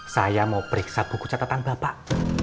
saya mau periksa buku catatan bapak